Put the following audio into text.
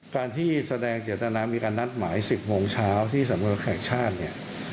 การที่แสดงเจตนามีการนัดหมาย๑๐โมงเช้าที่สำรวจแห่งชาติเนี่ย